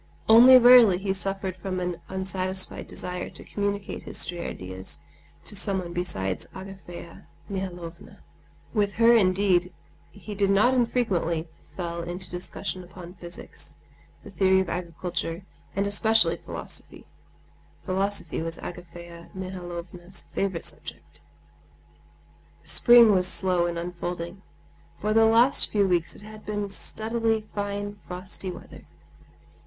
Only rarely he suffered from an unsatisfied desire to communicate his stray ideas to someone besides Agafea Mihalovna. With her indeed he not infrequently fell into discussion upon physics, the theory of agriculture, and especially philosophy; philosophy was Agafea Mihalovna's favorite subject. Spring was slow in unfolding. For the last few weeks it had been steadily fine frosty weather.